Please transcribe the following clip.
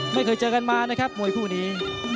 ไม่เคยเจอกันมานะครับมวยคู่นี้